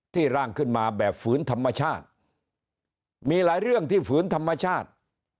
ร่างขึ้นมาแบบฝืนธรรมชาติมีหลายเรื่องที่ฝืนธรรมชาติ